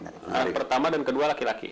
orang pertama dan kedua laki laki